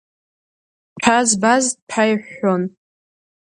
Ҭәа збаз ҭәа иҳәҳәон.